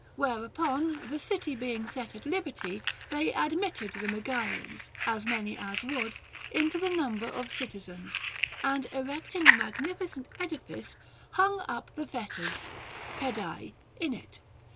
Whereupon, the city being set at liberty, they ad mitted the Megarians (as many as would) into the number of citizens, and erecting a magnificent edifice, hung up the fetters (ρίδαι) in it.